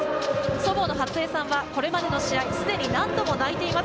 祖母のはつえさんはこれまでの試合、すでに何度も泣いています。